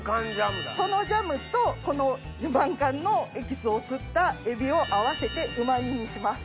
そのジャムとこの晩柑のエキスを吸ったエビを合わせてうま煮にします。